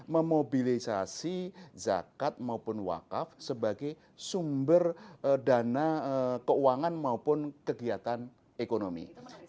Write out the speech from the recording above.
memobilisasi zakat maupun wakaf sebagai sumber dana keuangan maupun kegiatan ekonomi